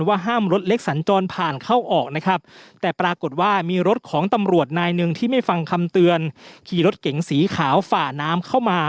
ว่าห้ามรถเล็กสันจรผ่านเข้าออก